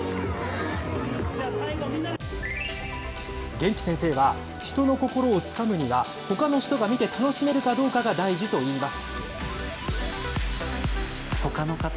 元気先生は、人の心をつかむには、ほかの人が見て楽しめるかどうかが大事といいます。